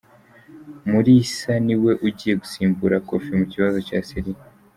murisa niwe ugiye gusimbura Kofi mu kibazo cya Siriya